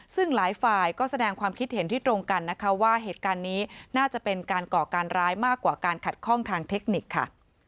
ซึ่งหลายฝ่ายก็แสดงความคิดเห็นที่ตรงกันนะคะว่าเหตุการณ์นี้น่าจะเป็นการก่อการร้ายมากกว่าการขัดข้องทางเทคนิคค่ะ